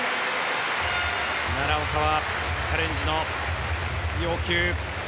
奈良岡はチャレンジの要求。